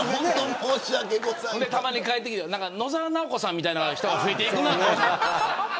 たまに帰ってきて野沢直子さんみたいな人が増えてくるな。